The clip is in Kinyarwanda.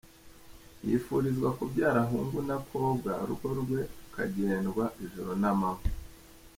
Yifurizwa kubyara hungu na kobwa, urugo rwe rukagendwa ijoro n’amanywa.